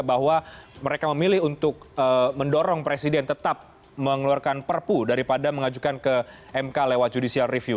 bahwa mereka memilih untuk mendorong presiden tetap mengeluarkan perpu daripada mengajukan ke mk lewat judicial review